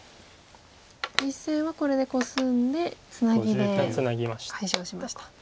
実戦はこれでコスんでツナギで解消しました。